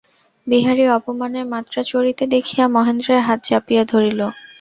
বিহারী অপমানের মাত্রা চড়িতে দেখিয়া মহেন্দ্রের হাত চাপিয়া ধরিল।